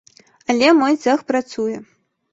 Але мой цэх працуе.